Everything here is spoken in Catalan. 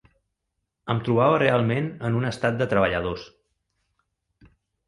Em trobava realment en un Estat de treballadors